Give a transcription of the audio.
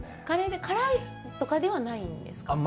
カレーで辛いとかではないんですか？